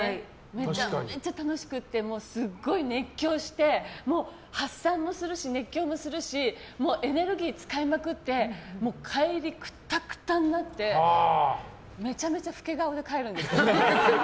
めちゃめちゃ楽しくてすごい熱狂してもう発散もするし熱狂もするしエネルギー使いまくって帰りくたくたになってめちゃめちゃ老け顔で帰るんです。